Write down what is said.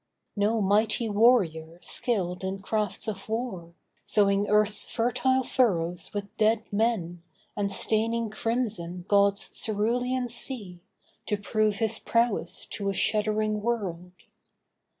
No mighty warrior skilled in crafts of war, Sowing earth's fertile furrows with dead men And staining crimson God's cerulean sea, To prove his prowess to a shuddering world.